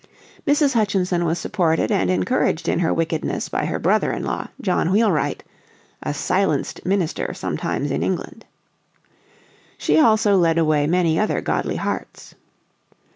Mrs. Hutchinson was supported and encouraged in her wickedness by her brother in law John Wheelright, a "silenced minister sometimes in England." She also led away many other godly hearts.